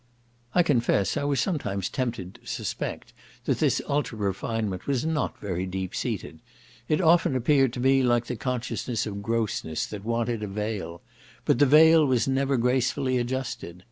I confess I was sometimes tempted to suspect that this ultra refinement was not very deep seated. It often appeared to me like the consciousness of grossness, that wanted a veil; but the veil was never gracefully adjusted.